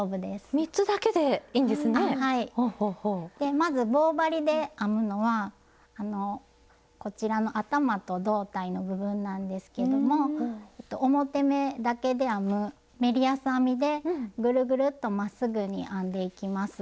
まず棒針で編むのはこちらの頭と胴体の部分なんですけども表目だけで編むメリヤス編みでぐるぐるっとまっすぐに編んでいきます。